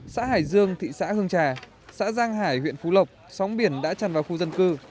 xã hải dương thị xã hương trà xã giang hải huyện phú lộc sóng biển đã tràn vào khu dân cư